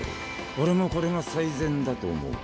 俺もこれが最善だと思う。